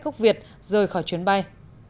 gốc việt rời khỏi chuyến bay